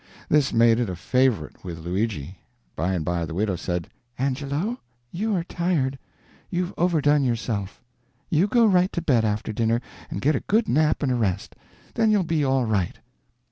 This made it a favorite with Luigi. By and by the widow said: "Angelo, you are tired, you've overdone yourself; you go right to bed after dinner, and get a good nap and a rest, then you'll be all right."